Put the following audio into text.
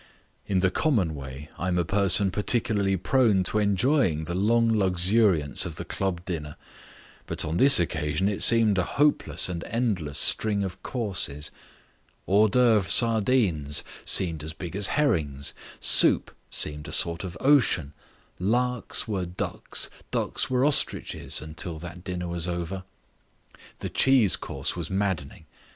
In the common way I am a person particularly prone to enjoy the long luxuriance of the club dinner. But on this occasion it seemed a hopeless and endless string of courses. Hors d'oeuvre sardines seemed as big as herrings, soup seemed a sort of ocean, larks were ducks, ducks were ostriches until that dinner was over. The cheese course was maddening.